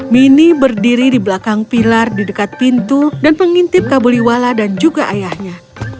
mini berdiri di belakang pilar di dekat pintu dan pengintip kabuliwala dan juga ayahnya